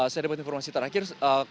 saya dapat informasi terakhir